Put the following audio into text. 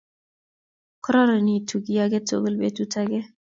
kororonitu kiy agetugul betut agenke